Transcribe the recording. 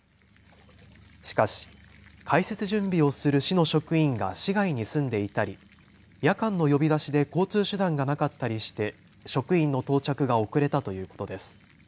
しかし開設準備をする市の職員が市外に住んでいたり、夜間の呼び出しで交通手段がなかったりして職員の到着が遅れたということです。